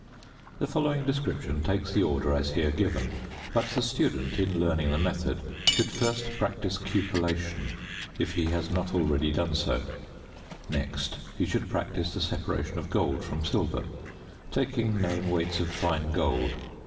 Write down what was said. The following description takes the order as here given, but the student, in learning the method, should first practise cupellation if he has not already done so; next he should practise the separation of gold from silver, taking known weights of fine gold (p.